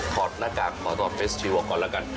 ถอดหน้ากากถอดเฟสชิลล์ออกก่อนละกัน